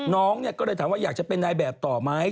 น้องก็เลยถามว่าอยากจะเป็นนายแบบต่อไหม